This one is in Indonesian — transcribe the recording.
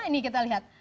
ini kita lihat